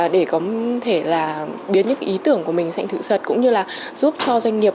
để có thể là biến những ý tưởng của mình thành thự sật cũng như là giúp cho doanh nghiệp